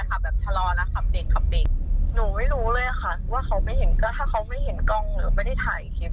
หนูไม่รู้เลยอะค่ะว่าเขาไม่เห็นก็ถ้าเขาไม่เห็นกล้องหรือไม่ได้ถ่ายคลิป